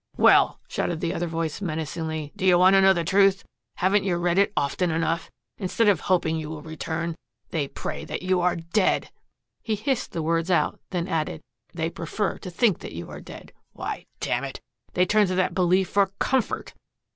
"Well," shouted the other voice menacingly, "do you want to know the truth? Haven't you read it often enough? Instead of hoping you will return, they pray that you are DEAD!" He hissed the words out, then added, "They prefer to think that you are dead. Why damn it! they turn to that belief for COMFORT!"